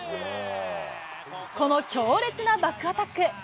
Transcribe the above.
この強烈なバックアタック。